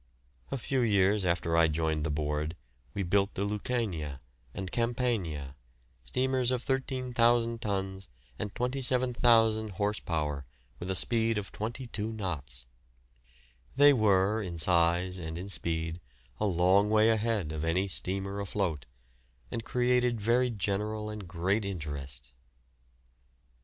A few years after I joined the board we built the "Lucania" and "Campania," steamers of 13,000 tons and 27,000 horse power with a speed of 22 knots. They were in size and in speed a long way ahead of any steamer afloat, and created very general and great interest.